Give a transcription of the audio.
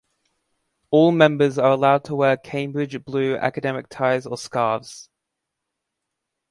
All members are allowed to wear Cambridge Blue Academic ties or scarves.